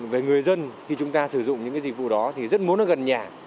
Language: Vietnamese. về người dân khi chúng ta sử dụng những dịch vụ đó thì rất muốn nó gần nhà